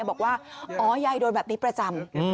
บอกว่าอ๋อยายโดนแบบนี้ประจำ